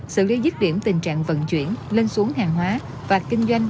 xử lý dứt điểm tình trạng vận chuyển lên xuống hàng hóa và kinh doanh